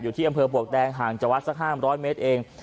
อยู่ที่อำเภอบวกแดงห่างจวัดสักห้ามร้อยเมตรเอง